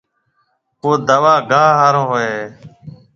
ڪو دوا گاها هارون هوئي هيَ۔